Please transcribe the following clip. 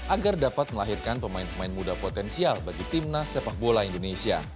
agar dapat melahirkan pemain pemain muda potensial bagi timnas sepak bola indonesia